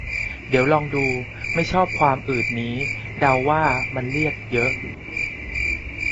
เดี๋ยวลอง ดู ไม่ชอบความอืดนี้ เดาว่ามันเรียก เยอะ